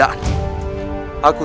aku tidak sepakat